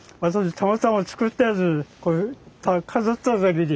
たまたま作ったやつ飾っただけで。